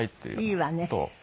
いいわね。